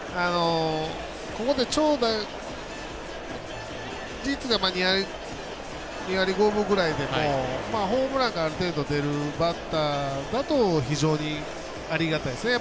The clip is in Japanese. ここで長打率が２割５分ぐらいでもホームランがある程度出るバッターだと非常に、ありがたいですね。